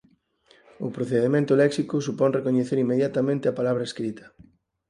O procedemento léxico supón recoñecer inmediatamente a palabra escrita.